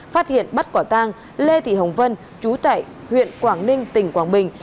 phát hiện bắt quả tang lê thị hồng vân chú tại huyện quảng ninh tỉnh quảng bình